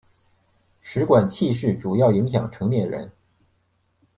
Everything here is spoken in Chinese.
食管憩室主要影响成年人。